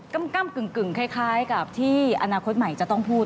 กำกึ่งคล้ายกับที่อนาคตใหม่จะต้องพูด